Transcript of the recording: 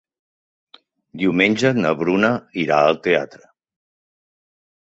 Diumenge na Bruna irà al teatre.